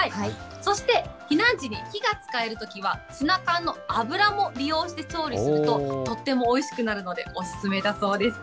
そして、避難時に火が使えるときは、ツナ缶の油も利用して調理するととってもおいしくなるので、お勧めだそうです。